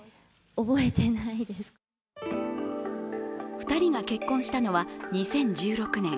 ２人が結婚したのは２０１６年。